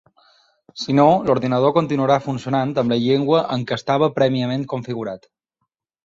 Si no, l’ordinador continuarà funcionant amb la llengua en què estava prèviament configurat.